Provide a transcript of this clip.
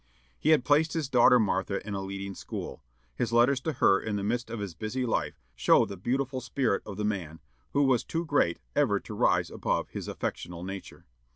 He had placed his daughter Martha in a leading school. His letters to her in the midst of his busy life show the beautiful spirit of the man, who was too great ever to rise above his affectional nature.